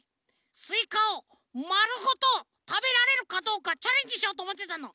スイカをまるごとたべられるかどうかチャレンジしようとおもってたの。